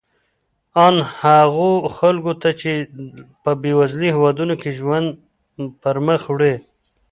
ان هغو خلکو ته چې په بېوزلو هېوادونو کې ژوند پرمخ وړي.